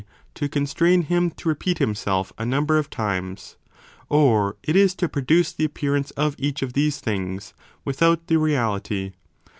to constrain him to repeat himself a number of times : or it is to produce the appearance of each of these things without the reality.